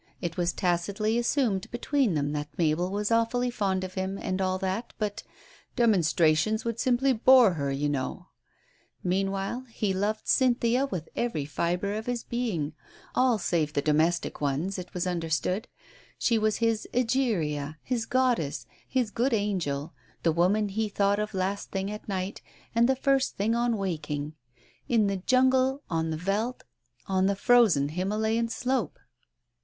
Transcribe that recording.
It was tacitly assumed between them that Mabel was awfully fond of him and all that, but "demonstrations would simply bore her, you know." Meanwhile, he loved Cynthia with every fibre of his being — all save the domestic ones, it was understood — she was his Egeria, his goddess, his good angel, the woman he thought of last thing at night and the first thing on waking, in the jungle, on the veldt, on the frozen Himalayan slope.